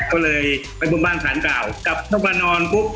ก็เลยไปบนบ้านผ่านกล่าวจะกลับอาทิตย์ประมาณนอนปุ๊บ